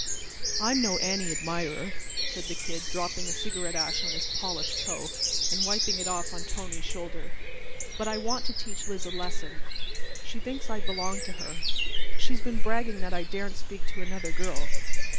"I'm no Annie admirer!" said the "Kid," dropping a cigarette ash on his polished toe, and wiping it off on Tony's shoulder. "But I want to teach Liz a lesson. She thinks I belong to her. She's been bragging that I daren't speak to another girl.